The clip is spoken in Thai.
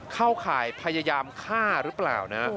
ข่ายพยายามฆ่าหรือเปล่านะ